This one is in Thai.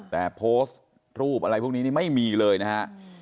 แต่โพสต์รูปอะไรพวกนี้นี่ไม่มีเลยนะฮะ